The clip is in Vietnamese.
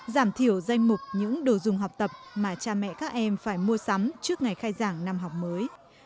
giảm thiểu danh mục những đồ dùng học tập mà cha mẹ các em phải mua sắm trước ngày khai giảng năm học mới